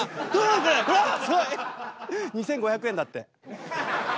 ２，５００円だって。